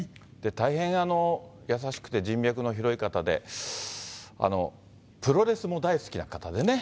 大変優しくて人脈の広い方で、プロレスも大好きな方でね。